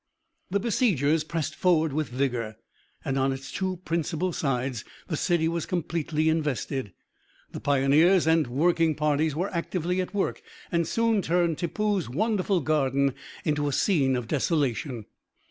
The besiegers pressed forward with vigour, and on its two principal sides the city was completely invested. The pioneers and working parties were actively at work, and soon turned Tippoo's wonderful garden into a scene of desolation.